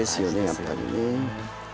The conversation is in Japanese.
やっぱりね。